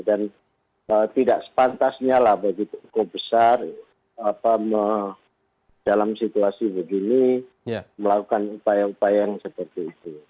dan tidak sepantasnya lah bagi tukku besar dalam situasi begini melakukan upaya upaya yang seperti itu